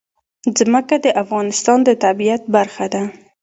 ځمکه د افغانستان د طبیعت برخه ده.